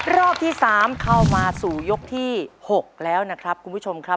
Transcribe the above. รอบที่๓เข้ามาสู่ยกที่๖แล้วนะครับคุณผู้ชมครับ